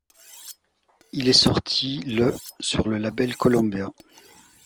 Il est sorti le sur le label Columbia.